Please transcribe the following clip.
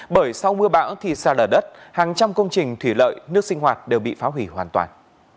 bởi sau mưa bão thì xa lở đất hàng trăm công trình thủy lợi nước sinh hoạt đều bị phá hủy hoàn toàn